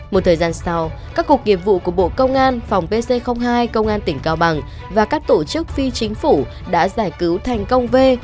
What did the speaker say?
một thời gian sau các cuộc nghiệp vụ của bộ công an phòng pc hai công an tỉnh cao bằng và các tổ chức phi chính phủ đã giải cứu thành công v